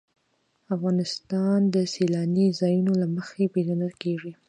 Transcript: افغانستان د سیلانی ځایونه له مخې پېژندل کېږي.